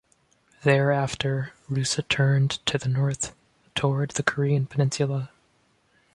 Thereafter, Rusa turned to the north toward the Korean Peninsula.